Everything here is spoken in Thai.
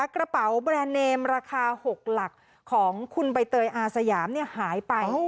กระเป๋าแบรนด์เนมราคา๖หลักของคุณใบเตยอาสยามหายไป